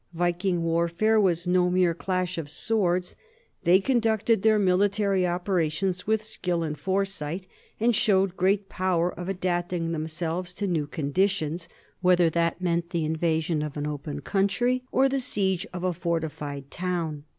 Viking warfare was no mere clash of swords; they conducted their military opera tions with skill and foresight, and showed great power of adapting themselves to new conditions, whether that meant the invasion of an open country or the siege of a fortified town.